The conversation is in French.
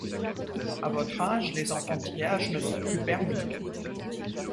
À votre âge, les enfantillages ne sont plus permis...